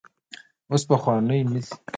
اوس پخوانی نه دی.